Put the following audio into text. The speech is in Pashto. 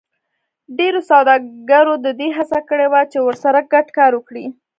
ډېرو سوداګرو د دې هڅه کړې وه چې ورسره ګډ کار وکړي